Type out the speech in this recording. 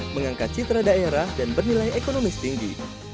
mengangkat citra daerah dan bernilai ekonomis tinggi